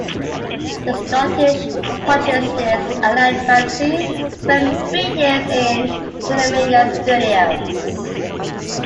The Scottish portraitist Allan Ramsay spent three years in Solimena's studio.